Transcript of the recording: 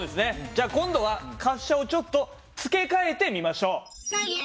じゃあ今度は滑車をちょっと付け替えてみましょう。